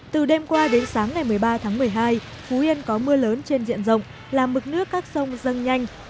từ đêm qua đến sáng ngày một mươi ba tháng một mươi hai phú yên có mưa lớn trên diện rộng làm mực nước các sông dâng nhanh